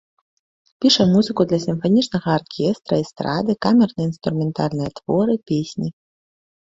Піша музыку для сімфанічнага аркестра, эстрады, камерна-інструментальныя творы, песні.